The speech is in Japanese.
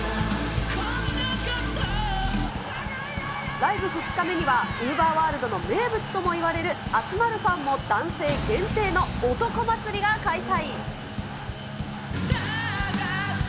ライブ２日目には、ＵＶＥＲｗｏｒｌｄの名物ともいわれる集まるファンも男性限定の男祭りが開催。